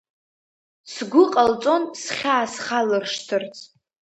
Сгәы ҟалҵон схьаа схалыршҭырц.